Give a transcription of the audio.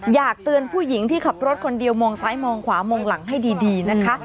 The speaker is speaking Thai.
อยากเตือนผู้หญิงที่ขับรถคนเดียวมองซ้ายมองขวามองหลังให้ดีนะคะ